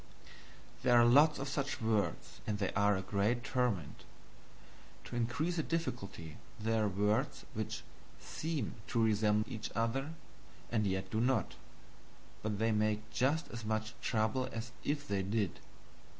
There are lots of such words and they are a great torment. To increase the difficulty there are words which SEEM to resemble each other, and yet do not; but they make just as much trouble as if they did.